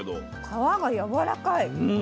皮がやわらかい。